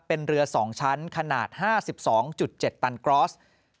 เป็นเรือ๒ชั้นขนาด๕๒๗ตันกรอส